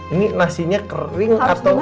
ini nasinya kering